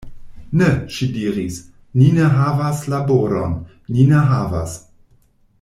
Ne, ŝi diris, ni ne havas laboron, ni ne havas!